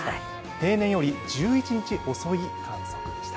平年より１１日遅い観測でした。